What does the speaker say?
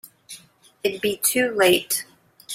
It'd be too late.